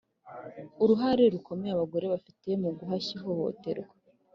uruhare rukomeye Abagore bafite mu guhashya ihohoterwa